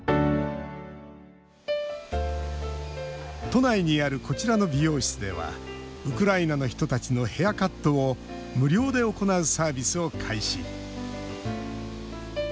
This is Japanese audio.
都内にあるこちらの美容室ではウクライナの人たちのヘアカットを無料で行うサービスを開始。